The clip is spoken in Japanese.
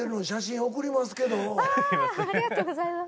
ありがとうございます。